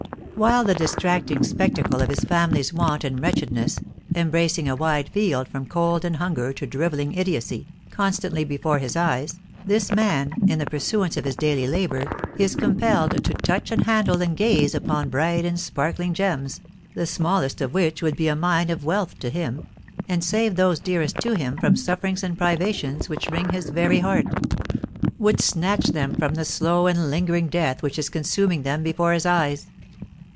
With the distracting spectacle of his family's want and wretchedness, embracing a wide field from cold and hunger to drivelling idiocy, constantly before his eyes, this man, in the pursuance of his daily labour, is compelled to touch and handle and gaze upon bright and sparkling gems, the smallest of which would be a mine of wealth to him, and save those dearest to him from sufferings and privations which wring his very heart; would snatch them from the slow and lingering death which is consuming them before his eyes.